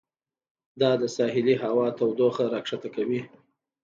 دا د ساحلي هوا تودوخه راښکته کوي.